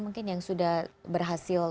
mungkin yang sudah berhasil